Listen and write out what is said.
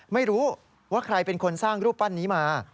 ไม่รู้ว่าใครเป็นคนสร้างรูปปั้นนี้มา